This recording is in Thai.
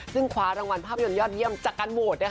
ซึ่งคว้ารางวัลภาพยนตร์ยอดเยี่ยมจากการโหวต